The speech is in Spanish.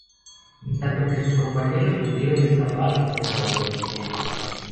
En tanto que sus compañeros pudieron escapar rumbo al continente.